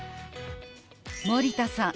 森田さん